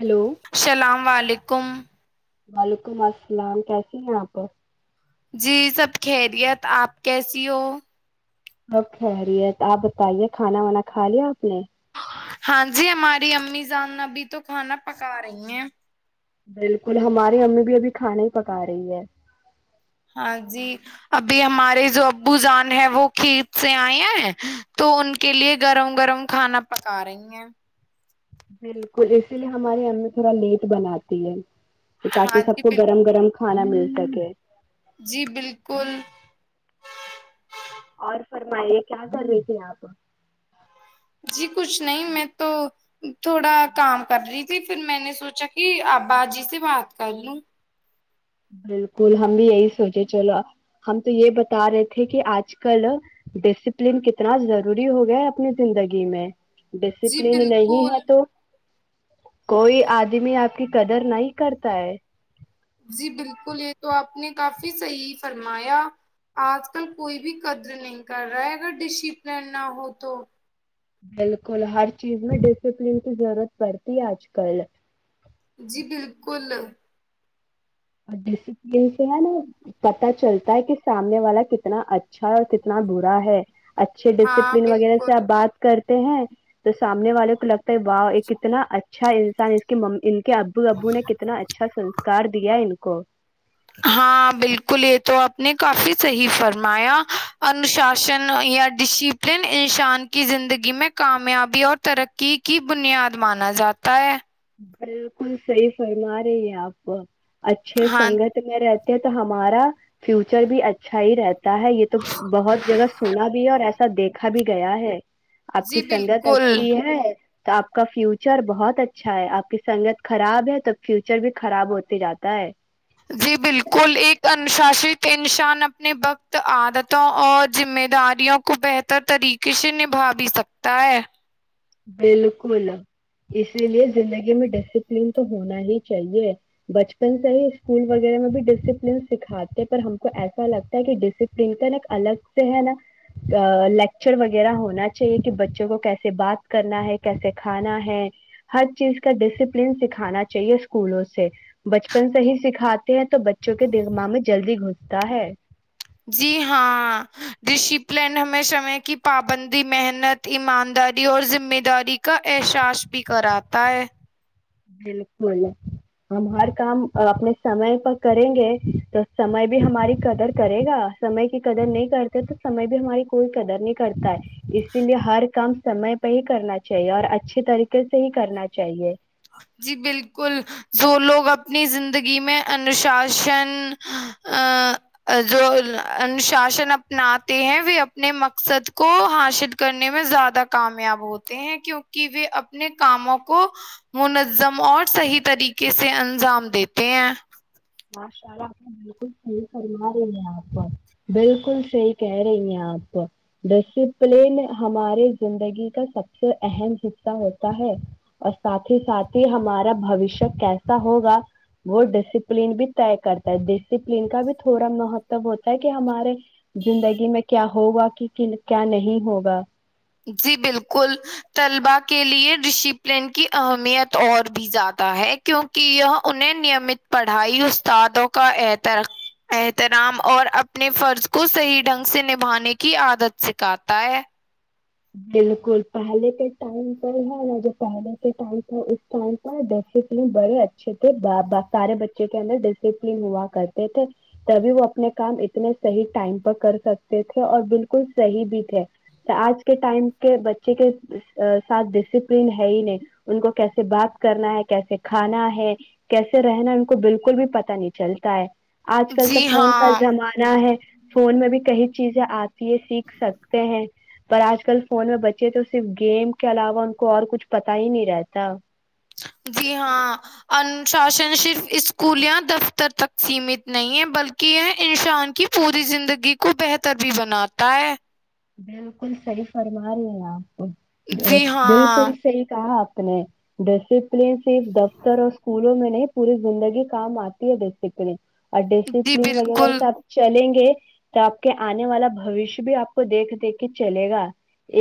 hello السلام علیکم وعلیکم السلام کیسی ہیں آپ جی سب خیریت آپ کیسی ہو اب خیریت آپ بتائیے کھانا وانا کھا لیا آپ نے ہاں جی ہماری امی جان ابھی تو کھانا پکا رہی ہیں بالکل ہماری امی بھی ابھی کھانا ہی پکا رہی ہے ہاں جی ابھی ہمارے جو ابو جان ہے وہ کھیت سے آئے ہیں تو ان کے لیے گرم گرم کھانا پکا رہی ہیں بالکل اسی لیے ہماری امی تھوڑا لیٹ بناتی ہے تاکہ ہاں سب جی کو بال گرم گرم کھانا ملتاک ہے جی بالکل اور فرمائیے کیا کر رہی تھی آپ جی کچھ نہیں میں تو تھوڑا کام کر رہی تھی پھر میں نے سوچا کہ ابا جی سے بات کر لوں بالکل ہم بھی یہی سوچے چلو ہم تو یہ بتا رہے تھے کہ آج کل ڈسپلن کتنا ضروری ہو گیا ہے اپنی زندگی میں جی ڈسپلین نہیں بالکل ہے تو کوئی آدمی آپ کی قدر نہیں کرتا ہے جی بالکل یہ تو آپ نے کافی صحیح فرمایا آج کل کوئی بھی قدر نہیں کر رہا ہے اگر ڈسپلین نہ ہو تو بالکل ہر چیز میں ڈسپلین کی ضرورت پڑتی ہے آج کل جی بالکل اور ڈسپل سے ہے نا پتا چلتا ہے کہ سامنے والا کتنا اچھا اور کتنا برا ہے اچھے ہاں ڈسپلن وغیرہ سے بالکل آپ بات کرتے ہیں تو سامنے والے کو لگ واہؤ یہ کتنا اچھا اچھا انسان اس کے کہ ابو ابو نے کتنا اچھا سنکار دیا ان کو ہاں بالکل یہ تو آپ نے کافی صحیح فرمایا انوشاسن یا ڈسپلن انسان کی زندگی میں کامیابی اور ترقی کی بنیاد مانا جاتا ہے بالکل صحیح فرما رہی ہے آپ اچھے ہاں سنگت میرے تو ہمارا فیوچر بھی اچھا ہی رہتا ہے یہ تو بہت جگہ سونا بھی ہے اور ایسا سا دیکھا بھی گیا ہے آپ کی جی سنگت بالکل اچھی ہے تو آپ کا فیوچر بہت اچھا اچھا ہے آپ کی سنگت خراب ہے تو فیوچر بھی خراب ہوتے جاتا ہے جی بالکل ایک انوشاست انسان اپنے وقت عادتوں اور ذمہ داریوں کو بہتر طریقے سے نبھا بھی سکتا ہے بالکل اسی لیے زندگی میں ڈسپلین تو ہونا ہی چاہیے بچپن سے ہی اسکول وغیرہ میں بھی ڈسپلین سکھاتے پر ہم کو ایسا لگتا ہے کہ ڈسپلین کا نا الگ سے ہے نا لیکچر وغیرہ ہونا چاہیے کہ بچوں کو کیسے بات کرنا ہے کیسے کھانا ہے ہر چیز کا ڈسپلین سکھانا چاہیے اسکولوں سے بچپن سے ہی سکھاتے ہیں تو بچوں کے دگما میں جلدی گھستا ہے جی ہاں ڈسپلین ہمیں سمے کی پابندی محنت ایمانداری اور ذمہ داری کا احساس بھی کراتا ہے بالکل ہم ہر کام اپنے سمے پ کریں گے تو سمے بھی ہماری قدر کرے گا سمے کی قدر نہیں کرتے تو سمے بھی ہماری کوئی قدر نہیں کرتا ہے اسی لیے ہر کام سمے پہ ہی کرنا چاہیے اور اچھے طریقے سے ہی کرنا چاہیے جی بالکل جو لوگ اپنی زندگی میں انوشاسن جو انوشاسن اپناتے ہیں وہ اپنے مقصد کو حاصل کرنے میں زیادہ کامیاب ہوتے ہیں کیونکہ و اپنے کاموں کو منظم اور صحیح طریقے سے انجام دیتے ہیں شلہ بالکل صحیح فرما رہی ہیں آپ بالکل صحیح کہہ رہی ہیں آپ ڈسپلین ہمارے زندگی کا سب سے اہم حصہ ہوتا ہے اور ساتھ ہی ساتھ ہی ہمارا بوشیہ کیسا ہوگا وہ ڈ ل بھی طے کرتا ہے ڈسپلین کا بھی تھوڑا مہتب ہوتا ہے کہ ہمارے زندگی میں کیا ہوگا کہ کیا نہیں ہوگا جی بالکل طلبا کے لیے ڈسیپلن کی اہمیت اور بھی زیادہ ہے کیونکہ یہ انہیں نیمت پڑھائی استادوں کا احترام اور اپنے فرض کو صحیح ڈھنگ سے نبھانے کی عادت سکھاتا ہے بالکل پہلے کے ٹائم پر ہے ن جو پہلے کے ٹائم تھا اس ٹائم پر ڈپل بڑے اچھے تھے سارے بچے کے اندر ڈسپلین ہوا کرتے تھے تبھی وہ اپنے کام اتنے صحیح ٹائم پر کر سکتے تھے اور بالکل صحیح بھی تھے آج کے ٹائم کے بچے کے ساتھ ڈسپلین ہے ہی نہیں ان کو کیسے بات کرنا ہے کیسے کھانا ہے کیسے رہنا ان کو بالکل بھی پت نہیں چلتا ہے آج کل تو جی فون کا ہاں زمانہ ہے فون میں بھی کئی چیزیں آتی یہ سیکھ سکتے ہیں پر آج کل فون میں بچے تو صرف گیم کے علاوہ ان کو اور کچھ پتا ہی نہیں رہتا جی ہاں ان شاسن صرف اسکول یا دفتر تک سیمت نہیں ہے بلکہ یہ انسان کی پوری زندگی کو بہتر بھی بناتا ہے بالکل صحیح فرما رہی ہیں آپ جی بالکل ہاں صحی کہا آپ اپنے بیس اپ صرف دفتر اور اسکولوں میں نہیں پوری زندگی کام آتی ہے ڈسکلی اور جی ڈسپلین وغیرہ بالکل س آب چلیں گے تو آپ کے آنے والا بوشیہ بھی آپ کو کو دیکھ دیکھ کے چلے گا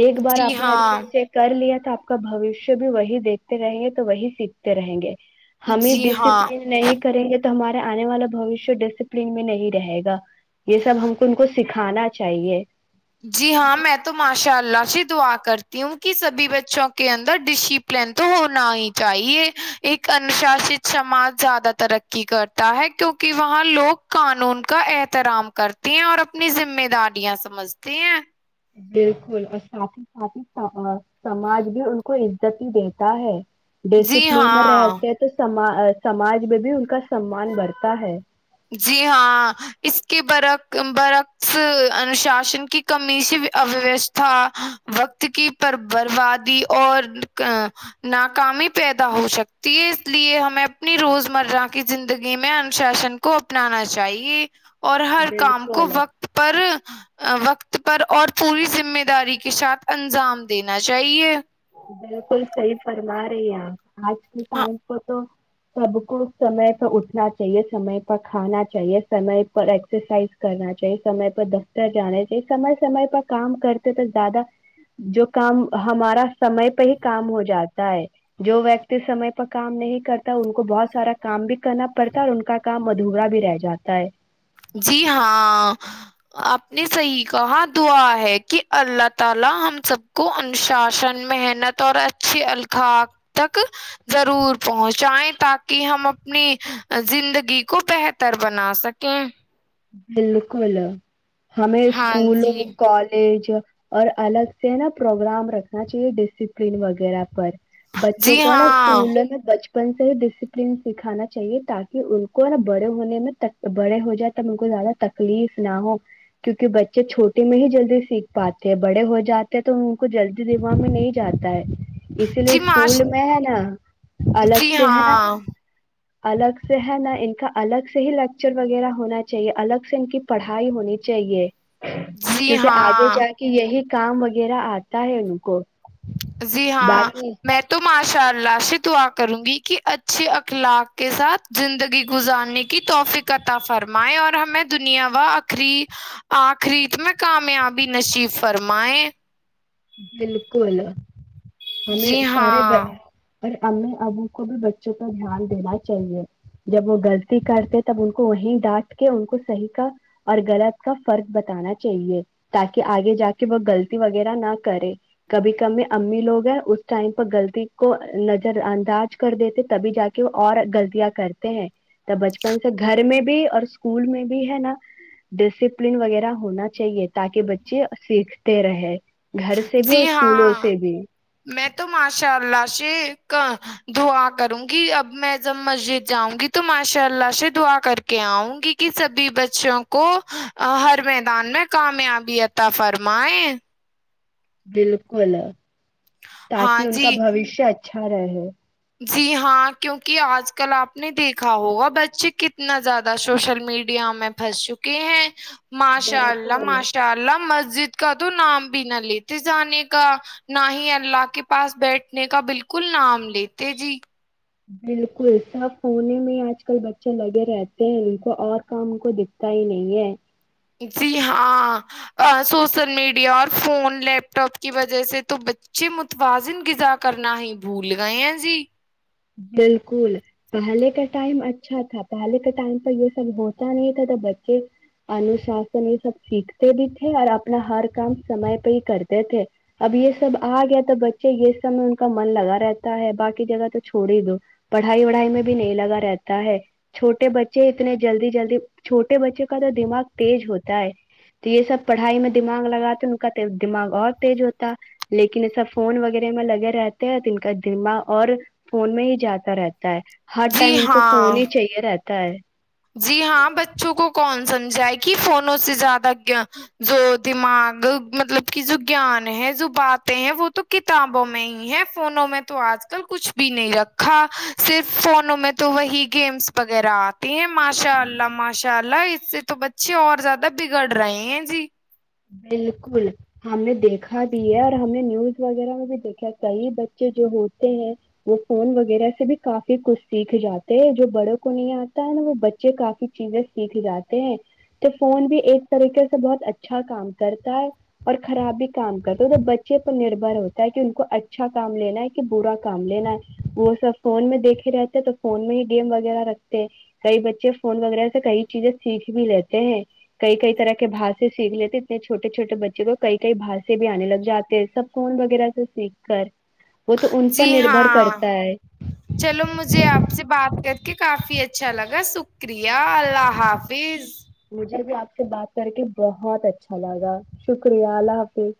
ایک بار جی آپ نے اچھے ہاں سے کر لیا تو آپ کا بوشیہ بھی وہی دیکھتے رہیں گے تو وہی سیکھتے رہیں گے ہمیں جی ہاں ڈسپلین نہیں کریں گے تو تو ہمارا آنے والا بوشیہ ڈسپلین میں نہیں رہے گا یہ سب ہم کو ان کو سکھانا چاہیے جی ہاں میں تو ماشاء اللہ سے دعا کرتی ہوں کہ سبھی بچوں کے اندر ڈسیپلین تو ہونا ہی چاہیے ایک انوشاست سماج زیادہ ترقی کرتا ہے کیونکہ وہاں لوگ قانون کا احترام کرتے ہیں اور اپنی ذمہ داریاں سمجھ د بالکل اور ساتھ ہی ساتھ ہی سماج بھی ان کو عزت ہی دیتا ہے جی ڈسپلین ہاں رہتے ہیں تو سماج سماج میں بھی ان کا سمان بڑھتا ہے جی ہاں اس کے برک برعکس انوشاسن کی کمیشی اویستھا وقت کی پر بربادی اور ناکامی پیدا ہو سکتی ہے اس لیے ہمیں اپنی روز مرہ کی زندگی میں انوشاسن کو اپنانا چاہیے اور ہر کام کو بالکل وقت پر وقت پر اور پوری ذمہ داری کے ساتھ انجام دینا چاہیے بالکل صحیح فرما رہی آپ آج کے ٹائم پر تو سب کو سمے پ اٹھنا چاہیے سمے پر کھانا چاہیے سمے پر ایکسرسائز کرنا چاہیے سمے پر دفتر جانا چاہیے سمے سمے پر کام کرتے تو زیادہ جو کام ہمارا سمے پہ ہی کام ہو جاتا ہے جو ویکتی سمے پہ کام نہیں کرتا ان کو بہت سارا کام بھی کرنا پڑتا ہے اور ان کا کام مدھورا بھی رہ جاتا ہے [unintelligible] بالکل ہمیں ہاں اسکولوں جی کالج اور الگ سے نا پروگرام رکھنا چاہیے ڈسپلن وغیرہ پر بچوں جی کو ہے نا ہاں اسکول میں بچ اپن سے ہی ڈسپلین سکھانا چاہیے تاکہ ان کو ن بڑے ہونے میں بڑے ہو جات ت ان کو زیادہ تکلیف نہ ہو کیونکہ بچے چھوٹے میں ہی جلدی سیکھ پاتے ہیں بڑے ہو جاتے ہیں تو ان کو جلدی دماغ میں نہیں جاتا ہے اسی لیے جی معاش اسکول میں ہے نا الگ جی سے ہے نا ہاں الگ سے ہے نا ان کا الگ سے ہی لیکچر وغیرہ ہونا چاہیے الگ سے ان کی پڑھائی ہونی چاہیے جی کیونکہ آگے ہاں جا کے یہی کام وغیرہ آتا ہے ان کو جی ہاں باقی میں تو ماشاء اللہ سے دعا کروں گی کہ اچھے اخلاق کے ساتھ زندگی گزارنے کی توفقتا فرمائیں اور ہمیں دنیا وخری آخریت میں کامیابی نصیب فرمائے بالکل ہمیں جی سارے ب... ہاں اور امیں ابو کو بھی بچوں پر دھیان دینا چاہیے جب وہ غلطی کرتے تب ان کو وہیں ڈانٹ کے ان کو صحیح کا اور غلط کا فرق بتانا چاہیے تاکہ آگے جا کے وہ غلطی وغیرہ نہ کرے کبھی کبھی امی لوگ ہیں اس ٹائم پر غلطی کو نظر انداز کر دیتے تبھی جا کے وہ اور غلطیاں کرتے ہیں تو بچپن سے گھر میں بھی اور اسکول میں بھی ہے نا ڈسپلین وغیرہ ہونا چاہیے تاکہ بچے سیکھتے رہے گھر سے بھی اور جی اسکولوں ہاں سے بھی میں تو ماشاء اللہ سے دعا کروں گی اب میں جم مسجد جاؤں گی تو ماشاء اللہ سے دعا کر کے آؤں گی کہ سبھی بچوں کو ہر میدان میں کامیابی عط فرمائے بالکل تاکہ ہاں ان کا جی بوشیہ اچھا اھا رہے جی ہاں کیونکہ آج کل آپ نے دیکھا ہوگا بچے کتنا زیادہ سوشل میڈیا میں پھنس چکے ہیں ماشاء اللہ بالکل ماشاء اللہ مز جد کا تو نام بھی نہ لیتے جانے کا نہ ہی اللہ کے پاس بیٹھنے کا بالکل نام لیتے تیزی بالکل سب سنے میں آج کل بچے لگے رہتے ہیں ان کو اور کام کو دکھتا ہی نہیں ہے جی ہاں سوشل میڈیا اور فون لیپ ٹاپ کی وجہ سے تو بچے متوازن غذا کرنا ہی بھول گئے ہیں جی بالکل پہلے کا ٹائم اچھا تھا پہلے کے ٹائم پ یہ سب ہوتا نہیں تھا تو بچے انوشاسن یہ سب سیکھتے بھی تھے اور اپنا ہر کام سمے پہ ہی کرتے تھے اب یہ سب آ گیا تو بچے یہ سب میں ان کا من لگا رہتا ہے باقی جگہ تو چھوڑی دو پڑھائی وڑھائی میں بھی نہیں لگا رہتا ہے چھوٹے بچے اتنے جلدی جلدی چھوٹے بچے کا تو دماغ تیز ہوتا ہے تو یہ سب پڑھائی میں دماغ لگا تو ان کا دماغ اور تیز ہوتا لیکن یہ سب فون وغیرہ میں لگے رہتے ہیں تو ان کا دماغ اور فون میں ہی جاتا رہتا ہے ہر جی ٹائم ان کو فون ہاں ہی چاہیے رہتا کیا ہے جی ہاں بچوں کو کون سمجھائے کہ فونوں سے زیادہ جو دماغ مطلب کی جو گان ہے جو باتیں ہیں وہ تو کتابوں میں ہی ہے فونوں میں تو آج کل کچھ بھی نہیں رکھا صرف فونوں میں تو وہی گیمس وغیرہ آ ہیں ماشاء اللہ ماشاء اللہ اس سے تو بچے اور زیادہ بگڑ رہے ہیں جی بالکل ہم نے دیکھا بھی ہے اور ہم نے نیوز وغیرہ میں بھی دیکھا کئی بچے جو ہوتے ہیں وہ فون وغیرہ سے بھی کافی کچھ سیکھ جاتے ہیں جو بڑوں کو نہیں آتا ہے نا وہ بچے کافی چیزیں سیکھ جاتے ہیں تو فون بھی ایک طریقے سے بہت اچ اچھا کام کرتا ہے اور خراب بھی کام کرتا ہے تو بچے پر نربر ہوتا ہے کہ ان کو اچھا کام لینا ہے کہ برا کام لینا ہے وہ سب فون میں دیکھے رہتے ہیں تو فون میں ہی گیم وغیرہ رکھتے ہیں کئی بچے فون وغیرہ سے کئی چیزیں سیکھ بھی لیتے ہیں کئی کئی طرح کے با سیکھ لیتے اتنے چوٹے چھوے بچے کو کئی ک باہر سے بھی آنے لگ جاتے ہیں سب کون ویرہ سے سیک کر وہ تو ان پر جی نربھر ہاں کرتا ہے چلو مجھے آپ سے بات کر کافی اچھا لگا شکریہ اللہ حافظ مجھے بھی آپ آ سے بات کر کے بہت اچھا لگا شکریہ اللہ حافظ